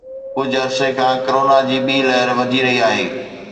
ڪجهه عرصي کان ڪرونا جي ٻي لهر وڌي رهي آهي